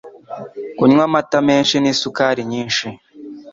Kunywa amata menshi n’isukari nyinshi